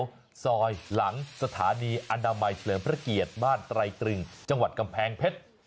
ซอยหลังสถานีอนามัยเฉลิมพระเกียรติบ้านไตรตรึงจังหวัดกำแพงเพชร